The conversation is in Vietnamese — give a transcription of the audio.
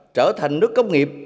trở thành nước công nghiệp